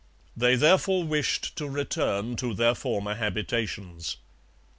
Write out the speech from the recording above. They therefore wished to return to their former habitations.